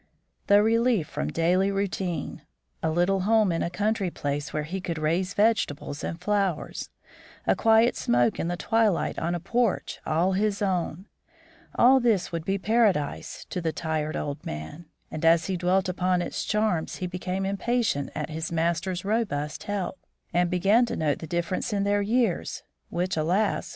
The relief from daily routine, a little home in a country place where he could raise vegetables and flowers, a quiet smoke in the twilight on a porch all his own, all this would be paradise to the tired old man, and as he dwelt upon its charms he became impatient at his master's robust health, and began to note the difference in their years which, alas!